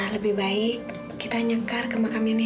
lebih baik kita nyekar ke makamnya nenek